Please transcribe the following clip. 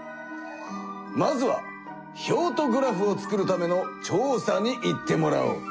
まずは表とグラフを作るための調査に行ってもらおう！